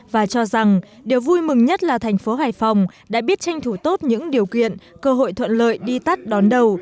và cho rằng điều vui mừng nhất là thành phố hải phòng đã biết tranh thủ tốt những điều kiện cơ hội thuận lợi đi tắt đón đầu